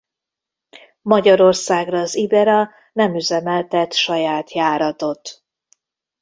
Magyarországra az Ibera nem üzemeltet saját járatot.